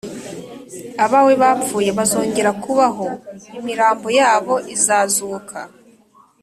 Abawe bapfuye bazongera kubaho, imirambo yabo izazuka.